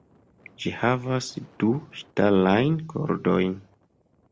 Ĝi havas du ŝtalajn kordojn.